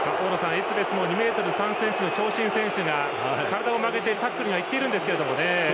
エツベスも２ｍ３ｃｍの長身選手が体を曲げてタックルには行ってるんですけど。